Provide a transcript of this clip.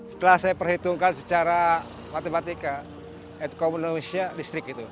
setelah saya perhitungkan secara matematika ekonomisnya listrik itu